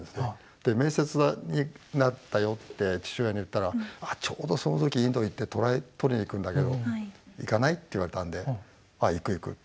で面接になったよって父親に言ったらちょうどその時インドへ行ってトラを撮りに行くんだけど行かない？って言われたんであ行く行くって。